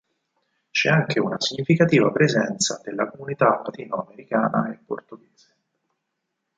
C'è anche una significativa presenza della comunità latinoamericana e portoghese.